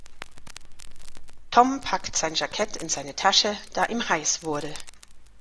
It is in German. Tom packt sein Jackett in seine Tasche, da ihm heiß wurde.